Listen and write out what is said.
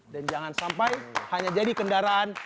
dan jangan sampai hanya jadi kendaraan